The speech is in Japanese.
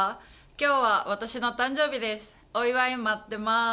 今日は私の誕生日です。